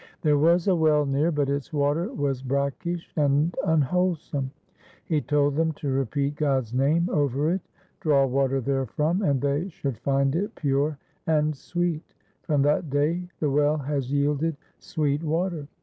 There was a well near, but its water was brackish and unwholesome. He told them to repeat God's name over it, draw water therefrom, and they should find it pure and sweet. From that day the well has yielded sweet water.